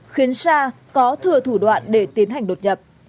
khiến sa có thừa thủ đoạn để tiến hành đột nhập